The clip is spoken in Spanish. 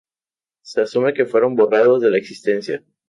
Se asume que fueron borrados de la existencia.